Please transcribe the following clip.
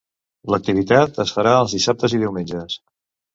L'activitat es farà els dissabtes i diumenges.